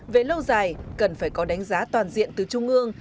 về lâu dài cần phải có đánh giá toàn diện từ trung ương